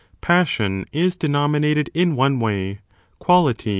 Passion^ is denominated in one way, quality ir'aflo*!